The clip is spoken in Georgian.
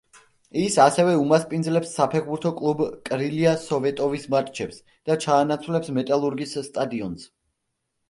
ის ასევე უმასპინძლებს საფეხბურთო კლუბ კრილია სოვეტოვის მატჩებს და ჩაანაცვლებს მეტალურგის სტადიონს.